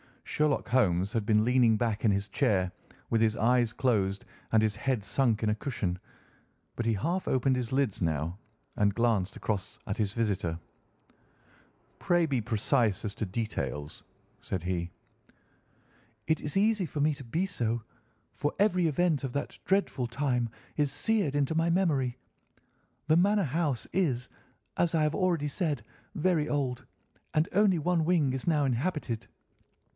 Sherlock Holmes had been leaning back in his chair with his eyes closed and his head sunk in a cushion, but he half opened his lids now and glanced across at his visitor. "Pray be precise as to details," said he. "It is easy for me to be so, for every event of that dreadful time is seared into my memory. The manor house is, as I have already said, very old, and only one wing is now inhabited.